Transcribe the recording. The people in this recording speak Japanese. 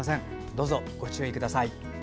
どうぞ、ご注意ください。